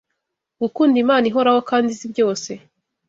Gukunda Imana ihoraho kandi izi byose